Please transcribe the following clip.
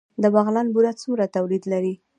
د بغلان بوره څومره تولید لري؟